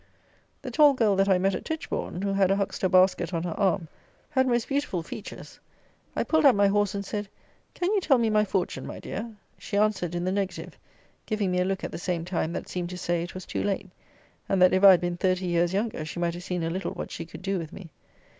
The tall girl that I met at Titchbourn, who had a huckster basket on her arm, had most beautiful features. I pulled up my horse, and said, "Can you tell me my fortune, my dear?" She answered in the negative, giving me a look at the same time, that seemed to say, it was too late; and that if I had been thirty years younger she might have seen a little what she could do with me.